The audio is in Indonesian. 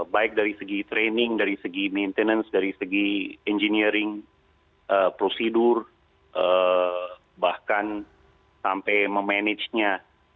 baik dari segi training dari segi maintenance dari segi engineering prosedur bahkan sampai memanage nya